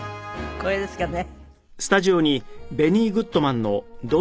これですかね？